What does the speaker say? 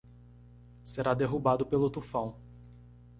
Será derrubado pelo tufão